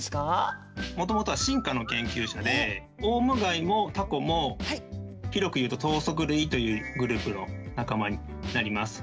もともとは進化の研究者でオウムガイもタコも広くいうと「頭足類」というグループの仲間になります。